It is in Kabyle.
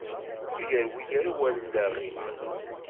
Ur yerwi ara wallaɣ-im?